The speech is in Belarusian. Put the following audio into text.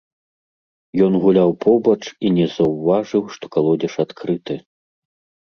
Ён гуляў побач і не заўважыў, што калодзеж адкрыты.